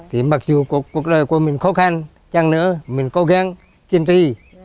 thì mặc dù cuộc đời của mình khó khăn chăng nữa mình cố gắng kiên trì